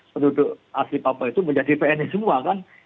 penduduk asli papua itu menjadi pns semua kan